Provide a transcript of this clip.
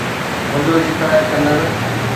منهنجو شڪايت ڪندڙ